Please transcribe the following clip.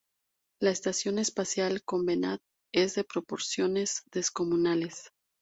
La estación espacial Covenant es de proporciones descomunales.